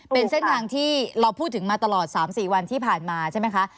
เป็นเส้นทางที่เราพูดถึงมาตลอด๓๔วันที่ผ่านมาใช่ไหมคะ